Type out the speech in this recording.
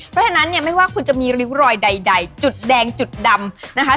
เพราะฉะนั้นเนี่ยไม่ว่าคุณจะมีริ้วรอยใดจุดแดงจุดดำนะคะ